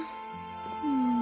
うん。